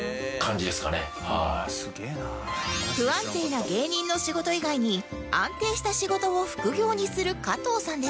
不安定な芸人の仕事以外に安定した仕事を副業にする加藤さんですが